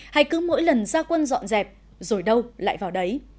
hay cứ mỗi lần ra quân dọn dẹp rồi đâu lại vào đấy